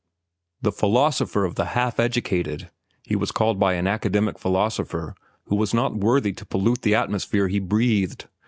"'The philosopher of the half educated,' he was called by an academic Philosopher who was not worthy to pollute the atmosphere he breathed.